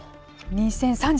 ２０３０。